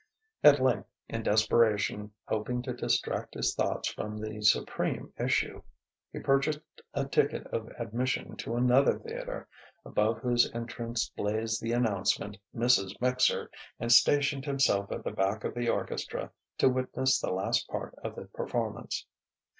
At length, in desperation hoping to distract his thoughts from the supreme issue, he purchased a ticket of admission to another theatre, above whose entrance blazed the announcement "Mrs. Mixer," and stationed himself at the back of the orchestra to witness the last part of the performance.